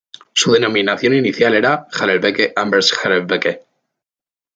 Su denominación inicial era Harelbeke-Anvers-Harelbeke.